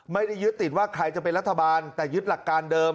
ไม่ได้ยึดติดว่าใครจะเป็นรัฐบาลแต่ยึดหลักการเดิม